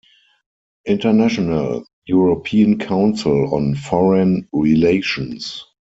International: European Council on Foreign Relations.